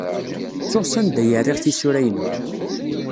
Ttuɣ sanda ay rriɣ tisura-inu.